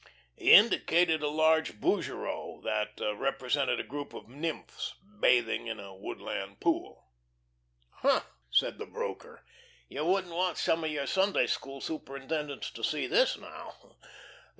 He indicated a large "Bougereau" that represented a group of nymphs bathing in a woodland pool. "H'm!" said the broker, "you wouldn't want some of your Sunday school superintendents to see this now.